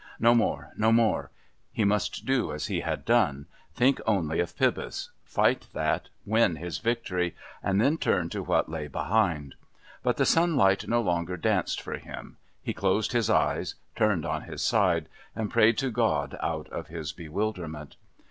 No more. No more. He must do as he had done. Think only of Pybus. Fight that, win his victory, and then turn to what lay behind. But the sunlight no longer danced for him, he closed his eyes, turned on his side, and prayed to God out of his bewilderment.